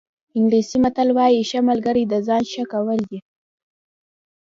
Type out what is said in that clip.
انګلیسي متل وایي ښه ملګری د ځان ښه کول دي.